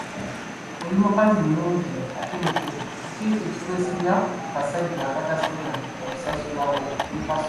Oli mukazi mulungi ate omuto, kiki ekikwesibya ku kasajja akatasobola na kusasula we kasula?